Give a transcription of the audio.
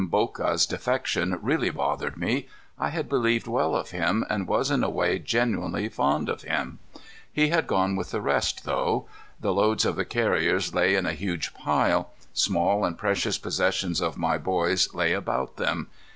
Mboka's defection really bothered me. I had believed well of him and was in a way genuinely fond of him. He had gone with the rest, though. The loads of the carriers lay in a huge pile. Small and precious possessions of my boys lay about them.